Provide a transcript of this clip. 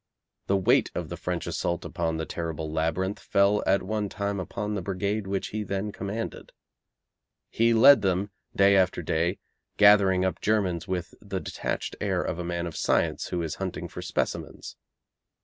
The weight of the French assault upon the terrible labyrinth fell at one time upon the brigade which he then commanded. He led them day after day gathering up Germans with the detached air of the man of science who is hunting for specimens.